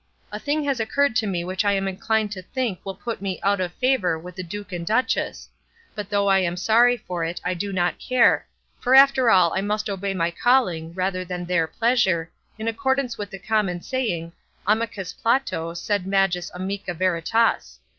A thing has occurred to me which I am inclined to think will put me out of favour with the duke and duchess; but though I am sorry for it I do not care, for after all I must obey my calling rather than their pleasure, in accordance with the common saying, amicus Plato, sed magis amica veritas.